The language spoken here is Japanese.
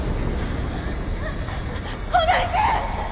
来ないで！